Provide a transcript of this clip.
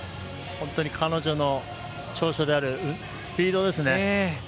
本当に彼女の長所であるスピードですね。